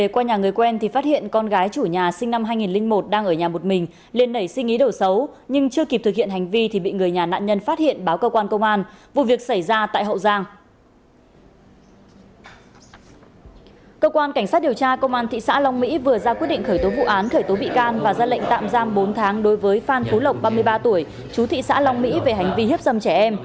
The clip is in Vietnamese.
các bạn hãy đăng ký kênh để ủng hộ kênh của chúng mình nhé